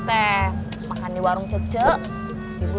tunggu aku bakal sudah segera televisi